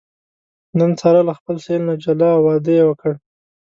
نن ساره له خپل سېل نه جلا او واده یې وکړ.